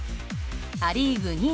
ア・リーグ２位